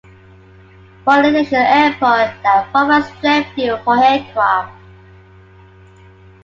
Paul International Airport that provides jet fuel for aircraft.